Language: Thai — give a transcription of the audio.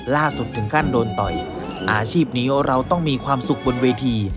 ล่าสุดถึงขั้นโดนต่อยอาชีพนี้เราต้องมีความสุขบนเวที